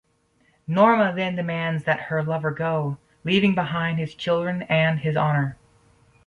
Norma then demands that her lover go, leaving behind his children-and his honour.